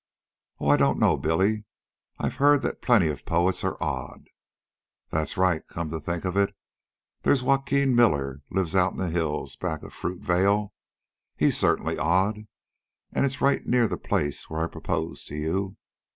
"Oh, I don't know, Billy. I've heard that plenty of poets are odd." "That's right, come to think of it. There's Joaquin Miller, lives out in the hills back of Fruitvale. He's certainly odd. It's right near his place where I proposed to you.